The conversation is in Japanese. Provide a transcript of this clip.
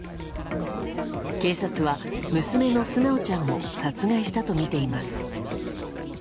警察は娘の純ちゃんも殺害したとみています。